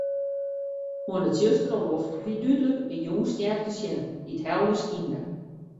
Oan 'e tsjustere loft wie dúdlik de Jûnsstjer te sjen, dy't helder skynde.